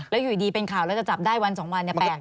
แล้วอยู่ดีเป็นข่าวแล้วจะจับได้วัน๒วันเนี่ยแปลกนะ